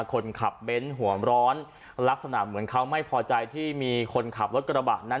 คนขับเบ้นหัวมร้อนลักษณะเหมือนเขาไม่พอใจที่มีคนขับรถกระบะนั้น